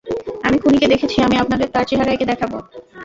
আমি খুনিকে দেখেছি আমি আপনাদের তার চেহারা এঁকে দেখাবো।